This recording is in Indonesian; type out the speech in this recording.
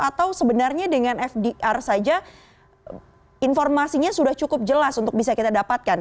atau sebenarnya dengan fdr saja informasinya sudah cukup jelas untuk bisa kita dapatkan